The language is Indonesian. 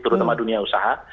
terutama dunia usaha